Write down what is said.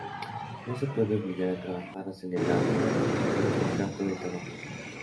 No se puede obligar a trabajar o celebrar el contrato del trabajo.